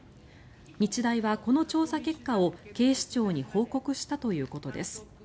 日大はこの調査結果を警視庁に報告したということです。